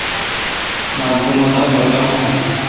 نال تو مہ دا باکال کھو۔